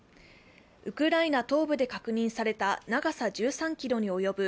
ウクライナ東部で確認された長さ１３ｋｍにおよぶ